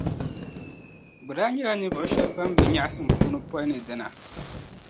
Bɛ daa nyɛla ninvuɣu shεba ban be nyεɣisim puuni pɔi ni dina.